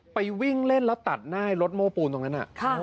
วิ่งเล่นแล้วตัดหน้าให้รถโม้ปูนตรงนั้น